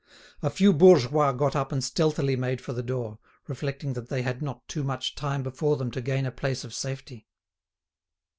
A few bourgeois got up and stealthily made for the door, reflecting that they had not too much time before them to gain a place of safety.